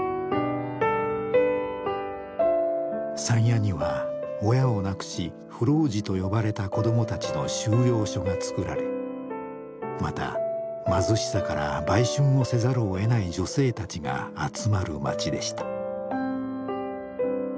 山谷には親を亡くし浮浪児と呼ばれた子どもたちの収容所がつくられまた貧しさから売春をせざるをえない女性たちが集まる街でした。